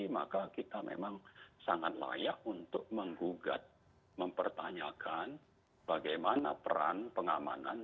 maka kita memang sangat layak untuk menggugat mempertanyakan bagaimana peran pengamanan